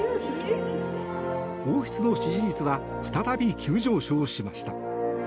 王室の支持率は再び急上昇しました。